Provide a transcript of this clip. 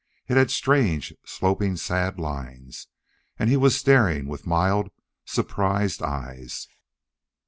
It had strange, sloping, sad lines. And he was staring with mild, surprised eyes.